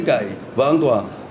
chứng cậy và an toàn